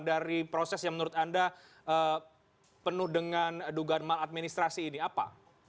dari proses yang menurut anda penuh dengan dugaan maladministrasi ini apa